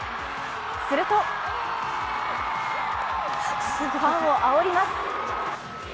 するとファンをあおります。